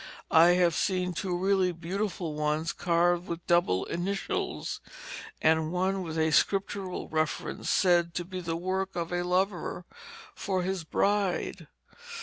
I have seen two really beautiful ones carved with double initials, and one with a Scriptural reference, said to be the work of a lover for his bride.